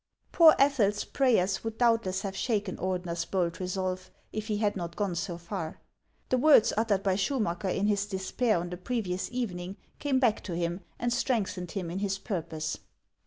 Poor Ethel's prayers would doubtless have shaken Or dener's bold resolve, if he had not gone so far. The words uttered by Schumacker in his despair on the previous evening came back to him and strengthened him in his purpose.